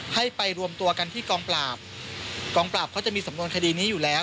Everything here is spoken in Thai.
ให้ไปรวมตัวกันที่กองปราบกองปราบเขาจะมีสำนวนคดีนี้อยู่แล้ว